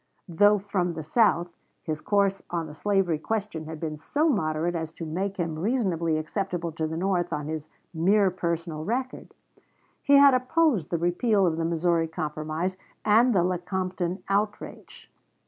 Though from the South, his course on the slavery question had been so moderate as to make him reasonably acceptable to the North on his mere personal record. He had opposed the repeal of the Missouri Compromise and the Lecompton outrage.